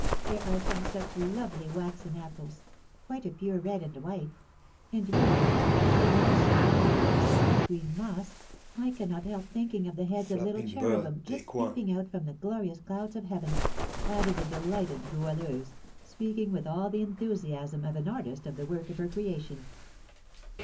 There are some such lovely waxen apples, quite a pure red and white; and really, as they lie surrounded by the soft green moss, I cannot help thinking of the heads of little cherubim just peeping out from the glorious clouds of heaven," added the delighted Goualeuse, speaking with all the enthusiasm of an artist of the work of her creation.